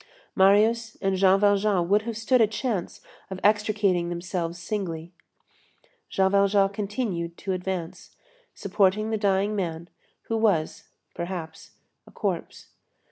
Marius and Jean Valjean would have stood a chance of extricating themselves singly. Jean Valjean continued to advance, supporting the dying man, who was, perhaps, a corpse.